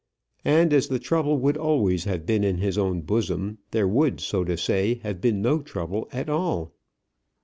And as the trouble would always have been in his own bosom, there would, so to say, have been no trouble at all.